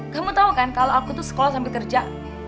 kamu tau kan kalo aku tuh sekolah sampe kerja